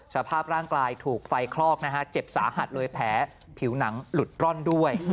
สภาพร่างกายถูกไฟคลอกนะฮะเจ็บสาหัสเลยแผลผิวหนังหลุดร่อนด้วย